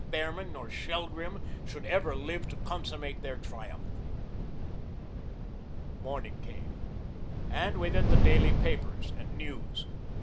Behrman nor Shelgrim should ever live to consummate their triumph. Morning came and with it the daily papers and news.